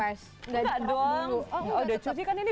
oh udah cuci kan ini